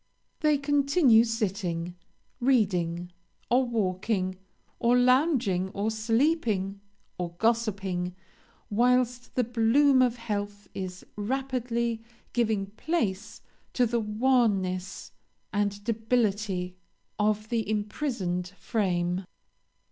They continue sitting, reading, or walking, or lounging, or sleeping, or gossiping, whilst the bloom of health is rapidly giving place to the wanness and debility of the imprisoned frame.